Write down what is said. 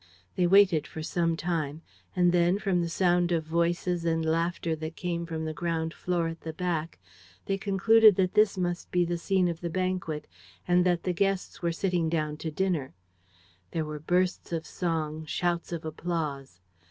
They waited for some time; and then, from the sound of voices and laughter that came from the ground floor, at the back, they concluded that this must be the scene of the banquet and that the guests were sitting down to dinner. There were bursts of song, shouts of applause.